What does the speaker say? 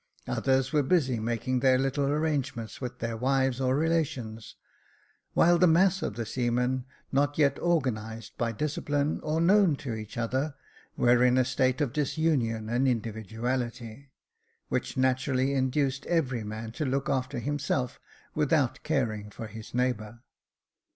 Others were busy making their little arrangements with their wives or relations ; while the mass of the seamen, not yet organised by discipline, or known to each other, were in a state of disunion and individuality, which naturally induced every man to look after himself without caring for his neighbour.